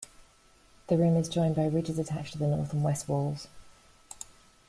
The rim is joined by ridges attached to the north and west walls.